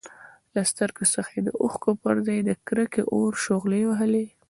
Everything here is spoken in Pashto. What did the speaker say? له سترګو څخه يې د اوښکو پرځای د کرکې اور شغلې وهلې.